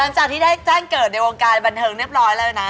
หลังจากที่ได้แจ้งเกิดในวงการบันเทิงเรียบร้อยแล้วนะ